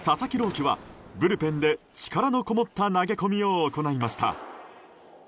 希はブルペンで力のこもった投げ込みを行いました。